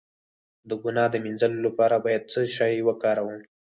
د ګناه د مینځلو لپاره باید څه شی وکاروم؟